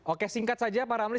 oke singkat saja pak ramli